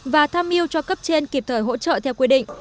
và tham mưu cho cấp trên kịp thời hỗ trợ theo quy định